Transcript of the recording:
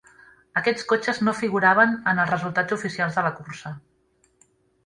Aquests cotxes no figuraven en els resultats oficials de la cursa.